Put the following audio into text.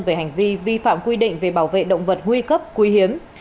về hành vi vi phạm quy định về bảo vệ động vật huy cấp quy hiếm